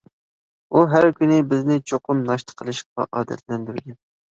ئۇ ھەر كۈنى بىزنى چوقۇم ناشتا قىلىشقا ئادەتلەندۈرگەن.